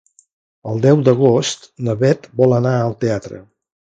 El deu d'agost na Bet vol anar al teatre.